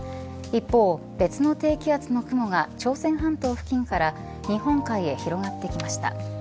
一方、別の低気圧の雲が朝鮮半島付近から日本海へ広がってきました。